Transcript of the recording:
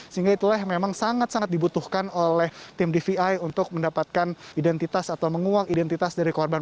sehingga itulah memang sangat sangat dibutuhkan oleh tim dvi untuk mendapatkan identitas atau menguak identitas dari korban